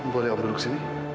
boleh om duduk sini